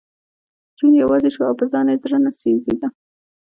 جون یوازې شو او په ځان یې زړه نه سېزېده